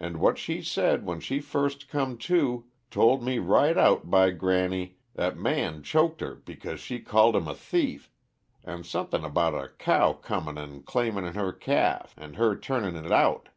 And what she said when she first come to told me right out, by granny, 'at Man choked her because she called 'im a thief, and somethin' about a cow comin' an' claimin' her calf, and her turnin' it out.